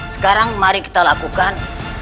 sekarang mari kita lakukan